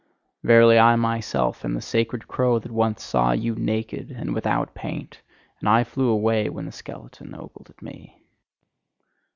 Verily, I myself am the scared crow that once saw you naked, and without paint; and I flew away when the skeleton ogled at me.